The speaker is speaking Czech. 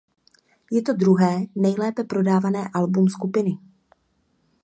Je to druhé nejlépe prodávané album skupiny.